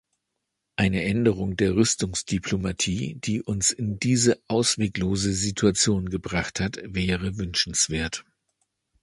Eine Änderung der Rüstungsdiplomatie, die uns in diese ausweglose Situation gebracht hat, wäre wünschenswert.